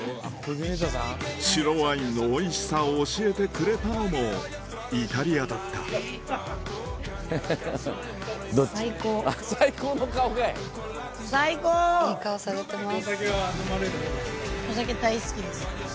白ワインのおいしさを教えてくれたのもイタリアだったいい顔されてます。